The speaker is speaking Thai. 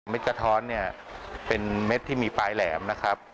เม็ดกะท้อนเป็นเม็ดที่มีปลายแหลมนะครับ